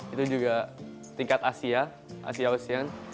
itu juga tingkat asia asia ocean